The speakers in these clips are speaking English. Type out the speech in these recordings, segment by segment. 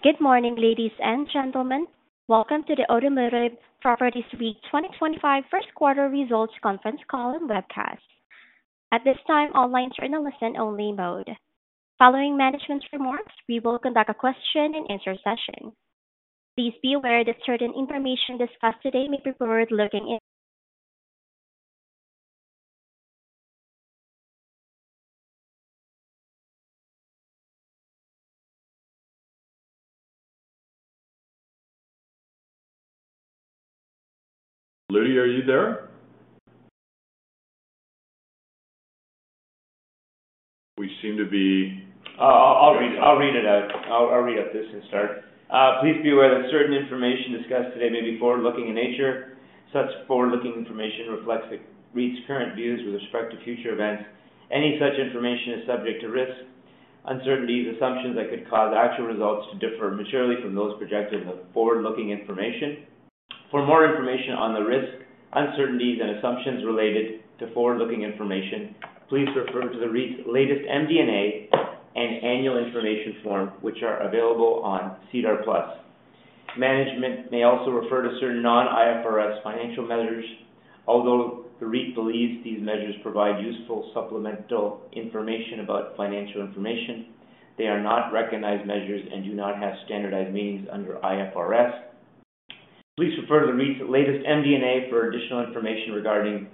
Good morning, ladies and gentlemen. Welcome to the Automotive Properties REIT 2025 first quarter results conference call and Webcast. At this time, all lines are in a listen-only mode. Following management's remarks, we will conduct a question-and-answer session. Please be aware that certain information discussed today may be forward-looking in. Lily, are you there? We seem to be—I'll read it out. I'll read out this instead. Please be aware that certain information discussed today may be forward-looking in nature. Such forward-looking information reflects the REIT's current views with respect to future events. Any such information is subject to risk, uncertainties, assumptions that could cause actual results to differ materially from those projected in the forward-looking information. For more information on the risk, uncertainties, and assumptions related to forward-looking information, please refer to the REIT's latest MD&A and annual information form, which are available on SEDAR+. Management may also refer to certain non-IFRS financial measures. Although the REIT believes these measures provide useful supplemental information about financial information, they are not recognized measures and do not have standardized meanings under IFRS. Please refer to the REIT's latest MD&A for additional information regarding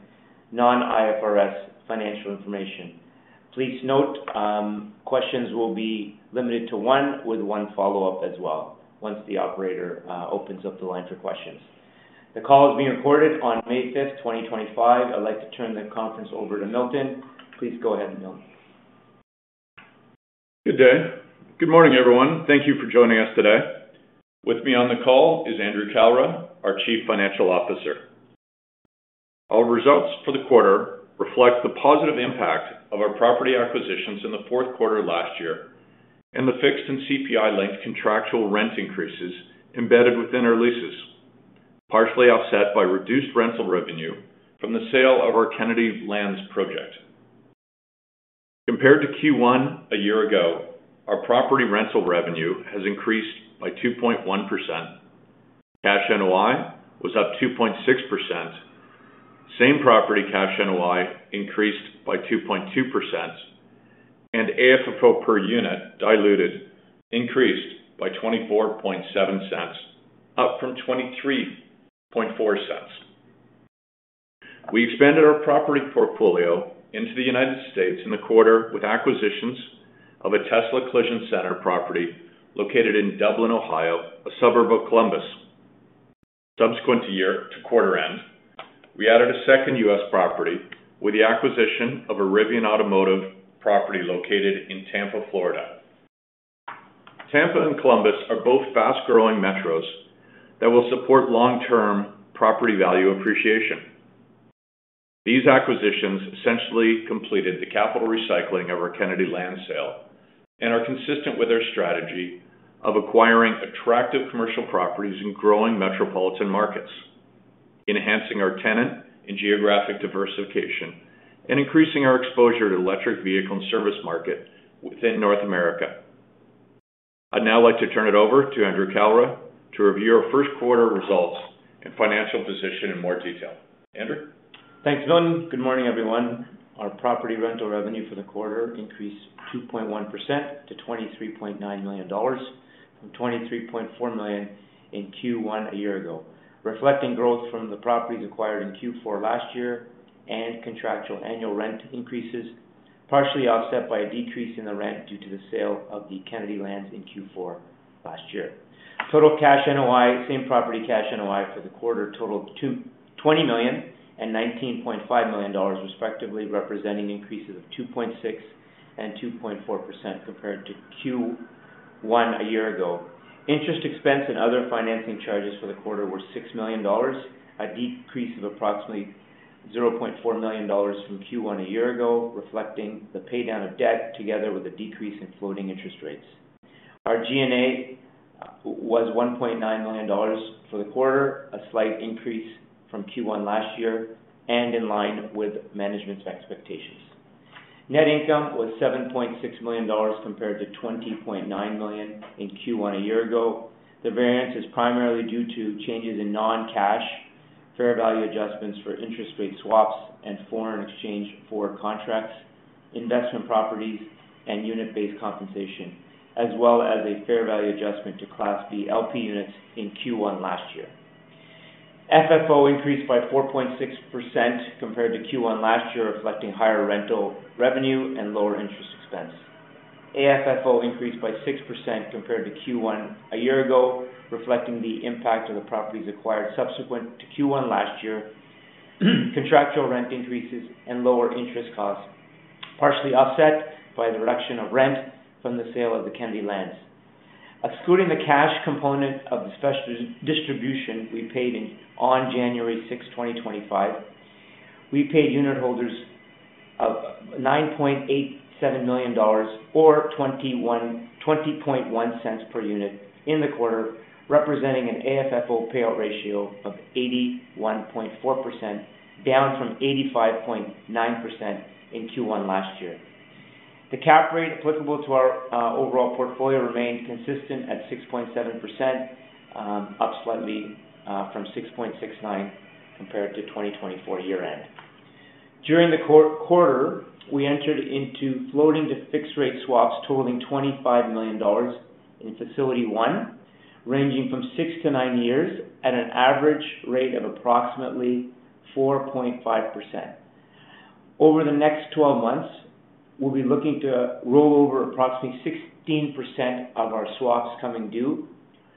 non-IFRS financial information. Please note questions will be limited to one with one follow-up as well once the operator opens up the line for questions. The call is being recorded on May 5th, 2025. I'd like to turn the conference over to Milton. Please go ahead, Milton. Good day. Good morning, everyone. Thank you for joining us today. With me on the call is Andrew Kalra, our Chief Financial Officer. Our results for the quarter reflect the positive impact of our property acquisitions in the fourth quarter last year and the fixed and CPI-linked contractual rent increases embedded within our leases, partially offset by reduced rental revenue from the sale of our Kennedy Lands project. Compared to Q1 a year ago, our property rental revenue has increased by 2.1%. Cash NOI was up 2.6%. Same property cash NOI increased by 2.2%, and AFFO per unit diluted increased by 0.247, up from 0.234. We expanded our property portfolio into the United States in the quarter with acquisitions of a Tesla Collision Center property located in Dublin, Ohio, a suburb of Columbus. Subsequent to year to quarter end, we added a second U.S. property with the acquisition of a Rivian Automotive property located in Tampa, Florida. Tampa and Columbus are both fast-growing metros that will support long-term property value appreciation. These acquisitions essentially completed the capital recycling of our Kennedy Land sale and are consistent with our strategy of acquiring attractive commercial properties in growing metropolitan markets, enhancing our tenant and geographic diversification, and increasing our exposure to the electric vehicle and service market within North America. I'd now like to turn it over to Andrew Kalra to review our first quarter results and financial position in more detail. Andrew? Thanks, Milton. Good morning, everyone. Our property rental revenue for the quarter increased 2.1% to 23.9 million dollars, from 23.4 million in Q1 a year ago, reflecting growth from the properties acquired in Q4 last year and contractual annual rent increases, partially offset by a decrease in the rent due to the sale of the Kennedy Lands in Q4 last year. Total cash NOI, same-property cash NOI for the quarter totaled 20 million and 19.5 million dollars, respectively, representing increases of 2.6% and 2.4% compared to Q1 a year ago. Interest expense and other financing charges for the quarter were 6 million dollars, a decrease of approximately 0.4 million dollars from Q1 a year ago, reflecting the paydown of debt together with a decrease in floating interest rates. Our G&A was 1.9 million dollars for the quarter, a slight increase from Q1 last year and in line with management's expectations. Net income was 7.6 million dollars compared to 20.9 million in Q1 a year ago. The variance is primarily due to changes in non-cash fair value adjustments for interest rate swaps and foreign exchange for contracts, investment properties, and unit-based compensation, as well as a fair value adjustment to Class B LP units in Q1 last year. FFO increased by 4.6% compared to Q1 last year, reflecting higher rental revenue and lower interest expense. AFFO increased by 6% compared to Q1 a year ago, reflecting the impact of the properties acquired subsequent to Q1 last year, contractual rent increases, and lower interest costs, partially offset by the reduction of rent from the sale of the Kennedy Lands. Excluding the cash component of the special distribution we paid on January 6, 2025, we paid unitholders 9.87 million dollars or 0.201 per unit in the quarter, representing an AFFO payout ratio of 81.4%, down from 85.9% in Q1 last year. The cap rate applicable to our overall portfolio remained consistent at 6.7%, up slightly from 6.69% compared to 2024 year-end. During the quarter, we entered into floating-to-fixed rate swaps totaling 25 million dollars in Facility 1, ranging from 6 years-9 years at an average rate of approximately 4.5%. Over the next 12 months, we will be looking to roll over approximately 16% of our swaps coming due.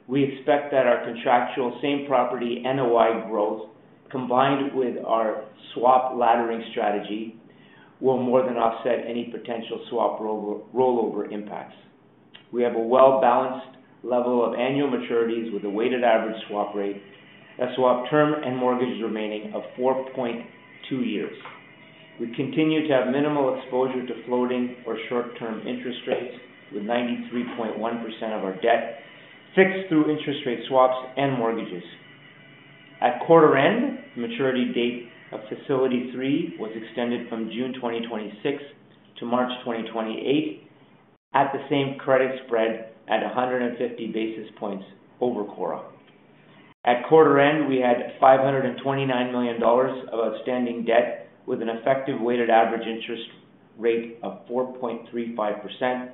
We expect that our contractual same-property NOI growth, combined with our swap laddering strategy, will more than offset any potential swap rollover impacts. We have a well-balanced level of annual maturities with a weighted average swap rate, a swap term and mortgage remaining of 4.2 years. We continue to have minimal exposure to floating or short-term interest rates, with 93.1% of our debt fixed through interest rate swaps and mortgages. At quarter end, the maturity date of Facility 3 was extended from June 2026 to March 2028 at the same credit spread at 150 basis points over CORRA. At quarter end, we had 529 million dollars of outstanding debt with an effective weighted average interest rate of 4.35%.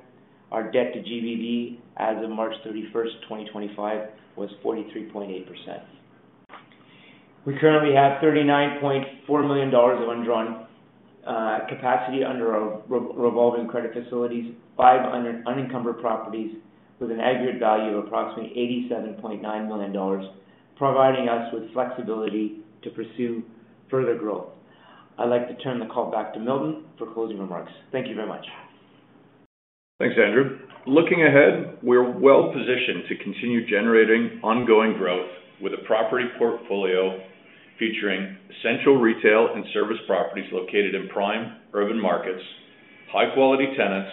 Our debt to GVV as of March 31, 2025, was 43.8%. We currently have 39.4 million dollars of undrawn capacity under our revolving credit facilities, five unencumbered properties with an aggregate value of approximately 87.9 million dollars, providing us with flexibility to pursue further growth. I'd like to turn the call back to Milton for closing remarks. Thank you very much. Thanks, Andrew. Looking ahead, we're well-positioned to continue generating ongoing growth with a property portfolio featuring essential retail and service properties located in prime urban markets, high-quality tenants,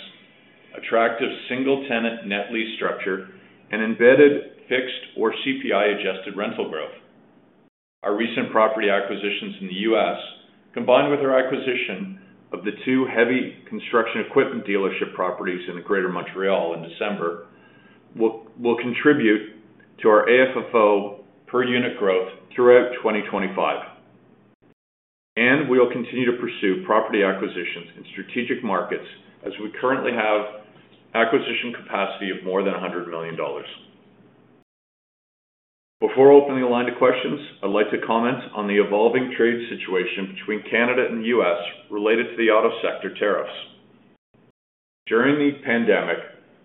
attractive single-tenant net lease structure, and embedded fixed or CPI-adjusted rental growth. Our recent property acquisitions in the U.S., combined with our acquisition of the two heavy construction equipment dealership properties in the greater Montreal in December, will contribute to our AFFO per unit growth throughout 2025. We will continue to pursue property acquisitions in strategic markets as we currently have acquisition capacity of more than 100 million dollars. Before opening the line to questions, I'd like to comment on the evolving trade situation between Canada and the U.S. related to the auto sector tariffs. During the pandemic,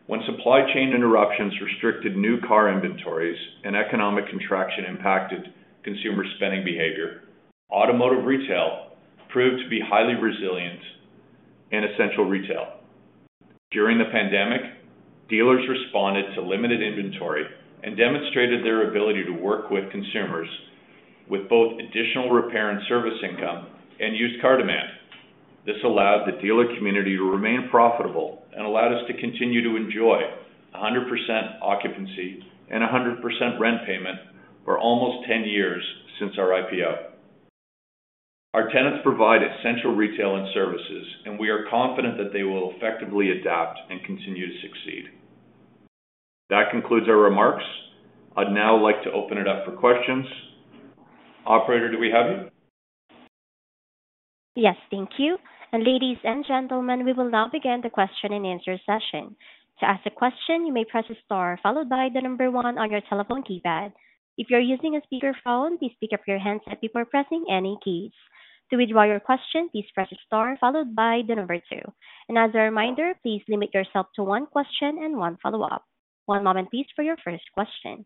when supply chain interruptions restricted new car inventories and economic contraction impacted consumer spending behavior, automotive retail proved to be highly resilient and essential retail. During the pandemic, dealers responded to limited inventory and demonstrated their ability to work with consumers with both additional repair and service income and used car demand. This allowed the dealer community to remain profitable and allowed us to continue to enjoy 100% occupancy and 100% rent payment for almost 10 years since our IPO. Our tenants provide essential retail and services, and we are confident that they will effectively adapt and continue to succeed. That concludes our remarks. I'd now like to open it up for questions. Operator, do we have you? Yes, thank you. Ladies and gentlemen, we will now begin the question-and-answer session. To ask a question, you may press star followed by the number one on your telephone keypad. If you're using a speakerphone, please pick up your handset before pressing any keys. To withdraw your question, please press star followed by the number two. As a reminder, please limit yourself to one question and one follow-up. One moment, please, for your first question.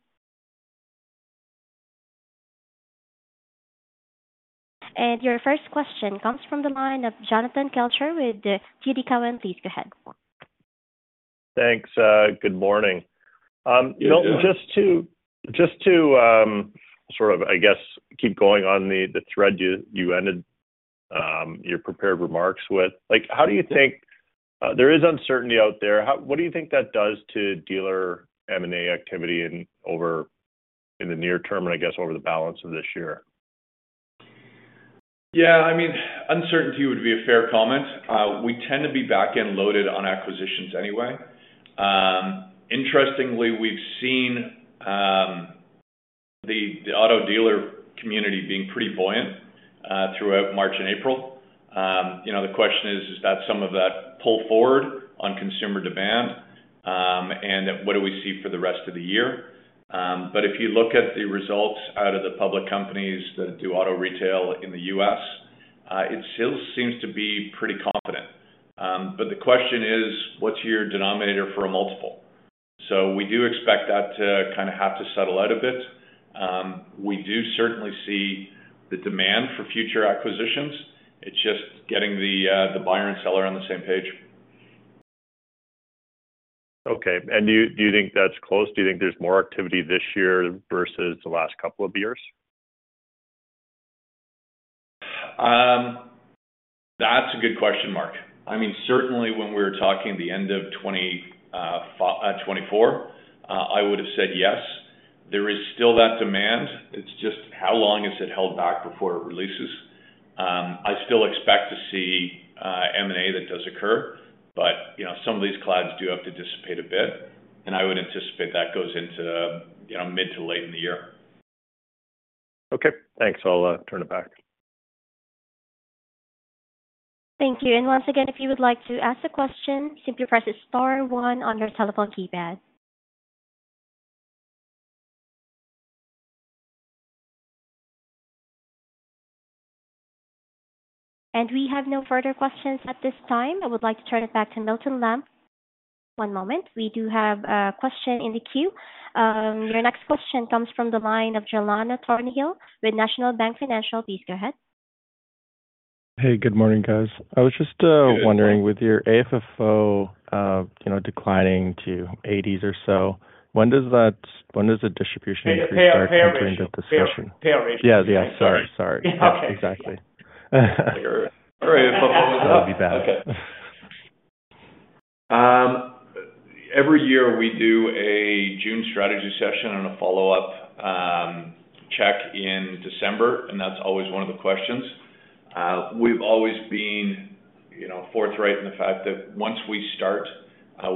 Your first question comes from the line of Jonathan Kelcher with TD Cowen. Please go ahead. Thanks. Good morning. Just to sort of, I guess, keep going on the thread you ended your prepared remarks with, how do you think there is uncertainty out there? What do you think that does to dealer M&A activity over in the near term and, I guess, over the balance of this year? Yeah. I mean, uncertainty would be a fair comment. We tend to be back-end loaded on acquisitions anyway. Interestingly, we've seen the auto dealer community being pretty buoyant throughout March and April. The question is, is that some of that pull forward on consumer demand? What do we see for the rest of the year? If you look at the results out of the public companies that do auto retail in the U.S., it still seems to be pretty confident. The question is, what's your denominator for a multiple? We do expect that to kind of have to settle out a bit. We do certainly see the demand for future acquisitions. It's just getting the buyer and seller on the same page. Okay. Do you think that's close? Do you think there's more activity this year versus the last couple of years? That's a good question, Mark. I mean, certainly, when we were talking the end of 2024, I would have said yes. There is still that demand. It's just how long has it held back before it releases? I still expect to see M&A that does occur, but some of these clouds do have to dissipate a bit. I would anticipate that goes into mid to late in the year. Okay. Thanks. I'll turn it back. Thank you. If you would like to ask a question, simply press star one on your telephone keypad. We have no further questions at this time. I would like to turn it back to Milton Lamb. One moment. We do have a question in the queue. Your next question comes from the line of Giuliano Thornhill with National Bank Financial. Please go ahead. Hey, good morning, guys. I was just wondering, with your AFFO declining to 80s or so, when does the distribution increase start to enter into discussion? Yeah. Sorry. Exactly. AFFO is up. That would be bad. Okay. Every year, we do a June strategy session and a follow-up check in December, and that's always one of the questions. We've always been forthright in the fact that once we start,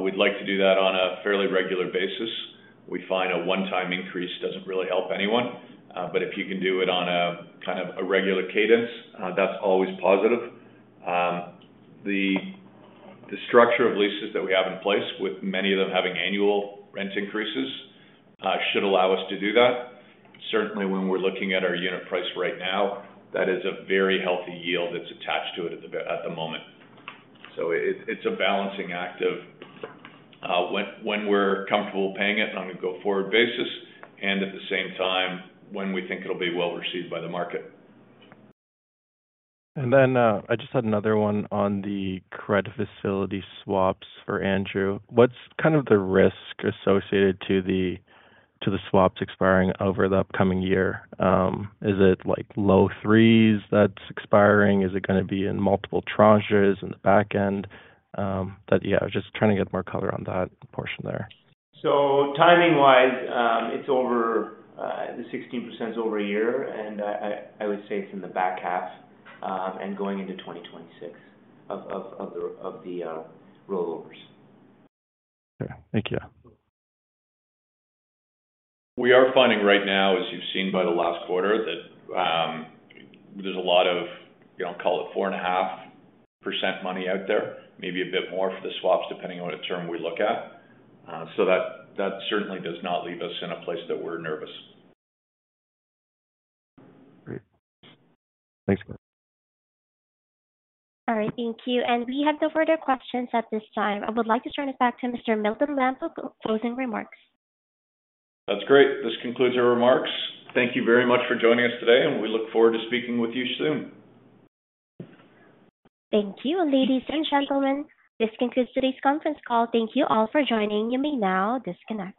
we'd like to do that on a fairly regular basis. We find a one-time increase doesn't really help anyone. If you can do it on a kind of a regular cadence, that's always positive. The structure of leases that we have in place, with many of them having annual rent increases, should allow us to do that. Certainly, when we're looking at our unit price right now, that is a very healthy yield that's attached to it at the moment. It's a balancing act of when we're comfortable paying it on a go-forward basis and at the same time when we think it'll be well received by the market. I just had another one on the credit facility swaps for Andrew. What's kind of the risk associated to the swaps expiring over the upcoming year? Is it low threes that's expiring? Is it going to be in multiple tranches in the back end? I was just trying to get more color on that portion there. Timing-wise, it's over the 16% over a year, and I would say it's in the back half and going into 2026 of the rollovers. Okay. Thank you. We are finding right now, as you've seen by the last quarter, that there's a lot of, I'll call it, 4.5% money out there, maybe a bit more for the swaps, depending on what term we look at. That certainly does not leave us in a place that we're nervous. Great. Thanks, Milton. All right. Thank you. We have no further questions at this time. I would like to turn it back to Mr. Milton Lamb for closing remarks. That's great. This concludes our remarks. Thank you very much for joining us today, and we look forward to speaking with you soon. Thank you. Ladies and gentlemen, this concludes today's conference call. Thank you all for joining. You may now disconnect.